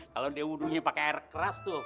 kalo deh wudhu nya pake air keras tuh